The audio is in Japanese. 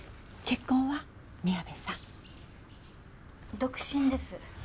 独身です。